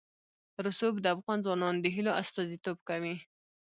رسوب د افغان ځوانانو د هیلو استازیتوب کوي.